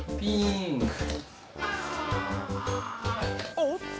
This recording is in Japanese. おっと！